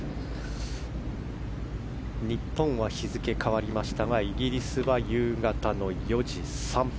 日本は日付が変わりましたがイギリスは夕方の４時３分。